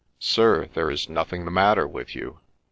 Sir, there is nothing the matter with you